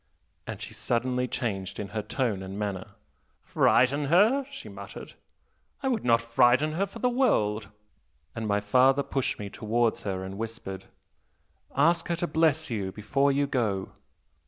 and she suddenly changed in her tone and manner. 'Frighten her?' she muttered. 'I would not frighten her for the world!' And my father pushed me towards her and whispered 'Ask her to bless you before you go.'